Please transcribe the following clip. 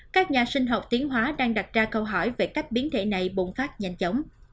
các nhà sinh học tiến hóa đang đặt ra câu hỏi về cách biến thể này bùng phát nhanh chóng